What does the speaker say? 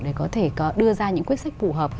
để có thể có đưa ra những quyết sách phù hợp